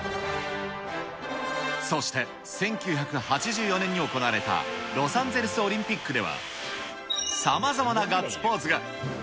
そして１９８４年に行われたロサンゼルスオリンピックでは、さまざまなガッツポーズが。